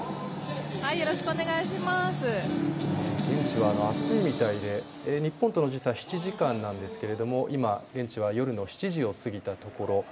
現地、暑いみたいで日本との時差は７時間ですが今、現地は夜の７時を過ぎたところ。